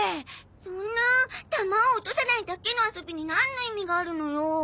そんな球を落とさないだけの遊びになんの意味があるのよ。